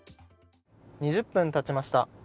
２０分たちました。